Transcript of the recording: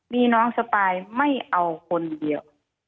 มีน้องสปายไม่เอาคนเดียว